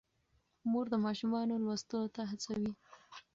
مور د ماشومانو لوستلو ته هڅوي.